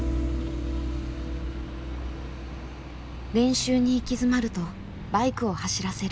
練習に行き詰まるとバイクを走らせる。